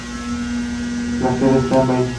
It was her only movie in Tamil cinema.